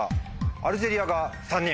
アルジェリアが３人！